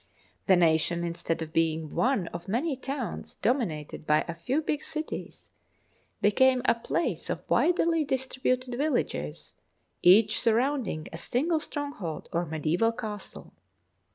The nation, instead of being one of THE THIRD PERIOD many towns dominated by a few big cities, became a place of widely distributed villages, each sur rounding a single stronghold or mediaeval castle.